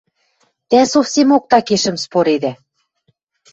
Тӓ совсемок такешӹм споредӓ...